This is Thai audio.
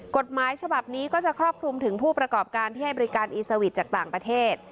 กฎหมายฉบับนี้ก็จะครอบคลุมถึงผู้ประกอบการที่ให้บริการอีซาวิทจากต่างประเทศ